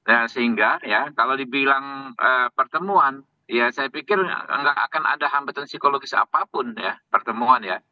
nah sehingga ya kalau dibilang pertemuan ya saya pikir nggak akan ada hambatan psikologis apapun ya pertemuan ya